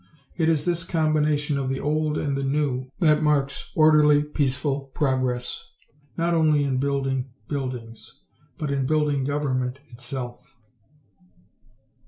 It is this combination of the old and the new that marks orderly peaceful progress not only in building buildings but in building government itself.